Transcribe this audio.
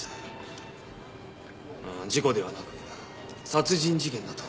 事故ではなく殺人事件だと。